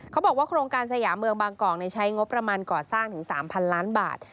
เขาบอกว่าโครงการสยามเมืองบางกอกใช้งบประมาณก่อสร้างถึง๓๐๐ล้านบาท